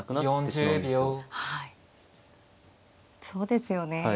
そうですよね。